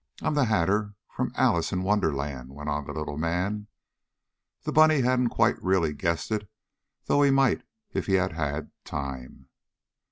"I'm the Hatter, from 'Alice in Wonderland,'" went on the little man. The bunny hadn't quite really guessed it, though he might if he had had time.